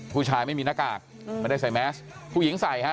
ผู้ชายไม่มีหน้ากากไม่ได้ใส่แมสผู้หญิงใส่ฮะ